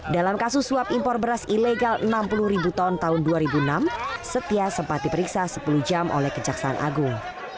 dalam kasus suap impor beras ilegal enam puluh ribu ton tahun dua ribu enam setia sempat diperiksa sepuluh jam oleh kejaksaan agung